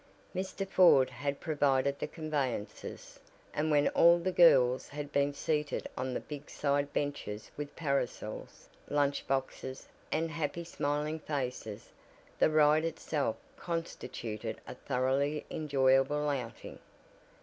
Mr. Ford had provided the conveyances, and when all the girls had been seated on the big side benches with parasols, lunch boxes and "happy smiling faces," the ride itself constituted a thoroughly enjoyable outing.